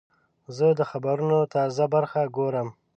زه د خبرونو تازه برخه ګورم.